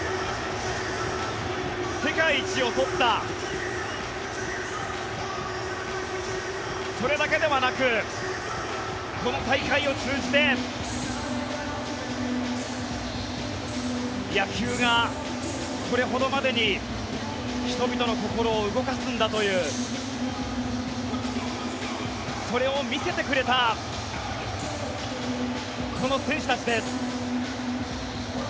世界一を取ったそれだけではなくこの大会を通じて野球がこれほどまでに人々の心を動かすんだというそれを見せてくれたこの選手たちです。